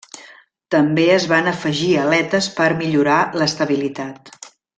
També es van afegir aletes per millorar l'estabilitat.